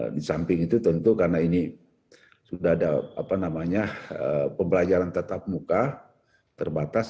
di samping itu tentu karena ini sudah ada pembelajaran tetap muka terbatas